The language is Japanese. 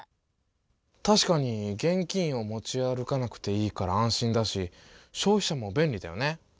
確かに現金を持ち歩かなくていいから安心だし消費者も便利だよね。